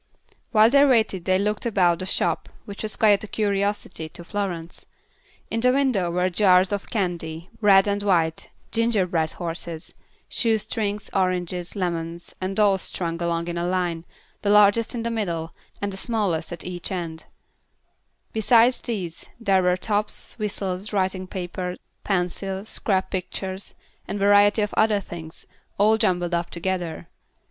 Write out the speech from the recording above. While they waited they looked about the shop, which was quite a curiosity to Florence. In the window were jars of candy, red and white, gingerbread horses, shoestrings, oranges, lemons, and dolls strung along in a line, the largest in the middle and the smallest at each end; besides these there were tops, whistles, writing paper, pencils, scrap pictures, and a variety of other things, all jumbled up together.